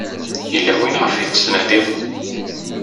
Yella win ɣef i tettnadiḍ?